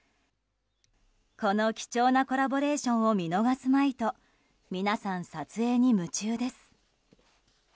この貴重なコラボレーションを見逃すまいと皆さん撮影に夢中です。